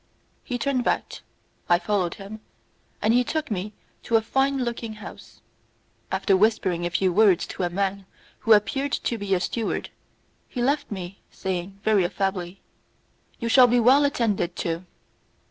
He turned back, I followed him, and he took me to a fine looking house. After whispering a few words to a man who appeared to be a steward, he left me saying, very affably, "You shall be well attended to."